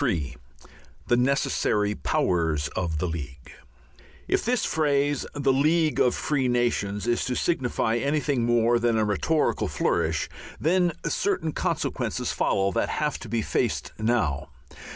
III THE NECESSARY POWERS OF THE LEAGUE If this phrase, "the League of Free Nations," is to signify anything more than a rhetorical flourish, then certain consequences follow that have to be faced now.